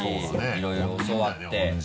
いろいろ教わって。